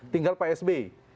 tinggal pak sbi